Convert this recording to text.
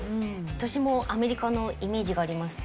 私もアメリカのイメージがあります。